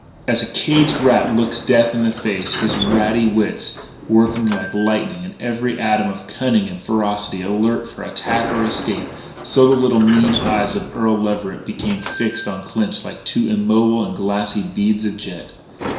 As a caged rat looks death in the face, his ratty wits working like lightning and every atom of cunning and ferocity alert for attack or escape, so the little, mean eyes of Earl Leverett became fixed on Clinch like two immobile and glassy beads of jet.